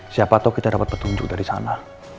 siapa tau kita dapat petunjuk dari sana